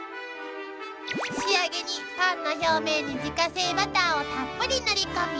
［仕上げにパンの表面に自家製バターをたっぷり塗りこみ］